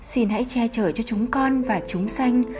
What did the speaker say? xin hãy che chở cho chúng con và chúng xanh